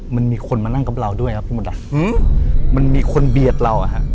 มันมีคนมานั่งกับเราด้วยครับพี่มดดำมันมีคนเบียดเราอะฮะ